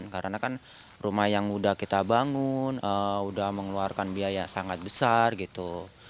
karena kan rumah yang udah kita bangun udah mengeluarkan biaya sangat besar gitu